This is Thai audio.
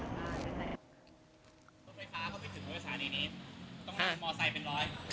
รถไฟค้าเข้าไปถึงโรยสถานีนี้ต้องมีมอเซ็นเป็นร้อย